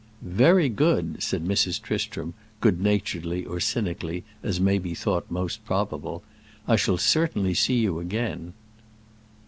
"Very good," said Mrs. Tristram, good naturedly or cynically, as may be thought most probable. "I shall certainly see you again."